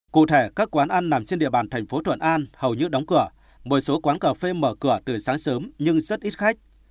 cụ thể các quán ăn nằm trên địa bàn thành phố thuận an hầu như đóng cửa bởi số quán cà phê mở cửa từ sáng sớm nhưng rất ít khách